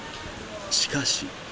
しかし。